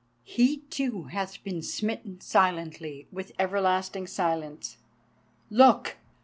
He too hath been smitten silently with everlasting silence. Look!